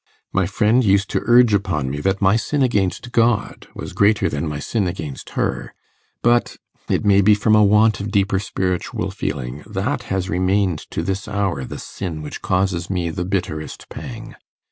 My friend used to urge upon me that my sin against God was greater than my sin against her; but it may be from want of deeper spiritual feeling that has remained to this hour the sin which causes me the bitterest pang.